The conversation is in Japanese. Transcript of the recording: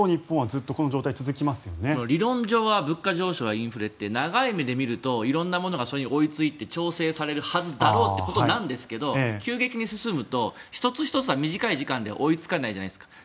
ずっと理論上は物価上昇はインフレって長い目で見ると色んなものが追いついて調整されるはずだろうということなんですけど急激に進むと１つ１つは短い時間で追いつかないじゃないですか。